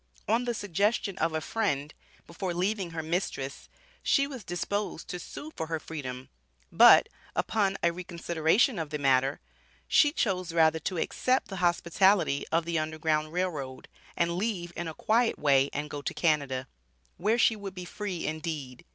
On the suggestion of a friend, before leaving her mistress, she was disposed to sue for her freedom, but, upon a reconsideration of the matter, she chose rather to accept the hospitality of the Underground Rail Road, and leave in a quiet way and go to Canada, where she would be free indeed.